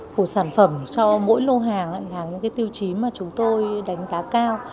của sản phẩm cho mỗi lô hàng hàng những tiêu chí mà chúng tôi đánh giá cao